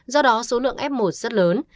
do đó số lượng f một rất lớn